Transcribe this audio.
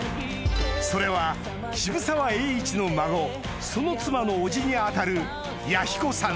それは渋沢栄一の孫その妻のおじに当たる彌彦さん